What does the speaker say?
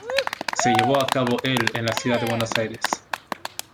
Se llevó a cabo el en la Ciudad de Buenos Aires.